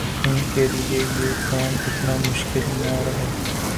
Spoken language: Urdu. ان کیلئے یہ کام اتنا مشکل نہ رہا۔